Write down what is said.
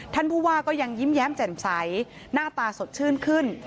ท่านผู้ว่าก็ยังยิ้มแย้มแจ่มใสหน้าตาสดชื่นขึ้น